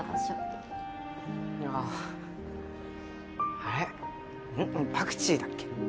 あれパクチーだっけ？